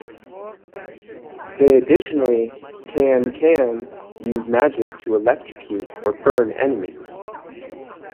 They additionally can can use magic to electrocute or burn enemies.